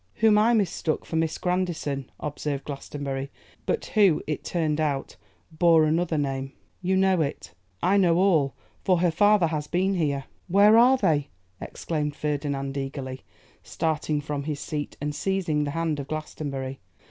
'Whom I mistook for Miss Grandison,' observed Glastonbury, 'but who, it turned out, bore another name.' 'You know it?' 'I know all; for her father has been here.' 'Where are they?' exclaimed Ferdinand eagerly, starting from his seat and seizing the hand of Glastonbury.